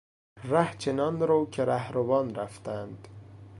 ره چنان رو که رهروان رفتند.